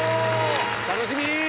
「楽しみ！」